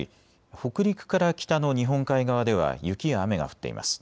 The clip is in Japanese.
北陸から北の日本海側では雪や雨が降っています。